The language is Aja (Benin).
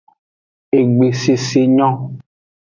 Egbe sese nyo.